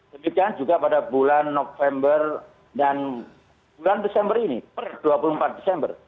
demikian juga pada bulan november dan bulan desember ini per dua puluh empat desember